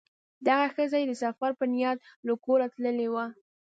دغه ښځه یې د سفر په نیت له کوره تللې وه.